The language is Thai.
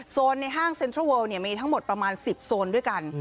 ในห้างเซ็นทรัลเลิลมีทั้งหมดประมาณ๑๐โซนด้วยกัน